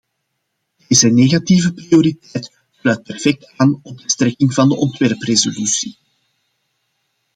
Deze negatieve prioriteit sluit perfect aan op de strekking van de ontwerpresolutie.